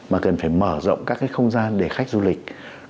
mà cần phải mở rộng các cái không gian để khách du lịch